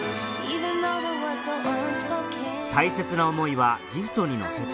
大切な思いはギフトに乗せて